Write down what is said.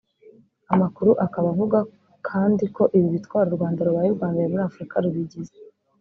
Amakuru akaba avuga kandi ko ibi bitwaro u Rwanda rubaye urwa mbere muri Afurika rubigize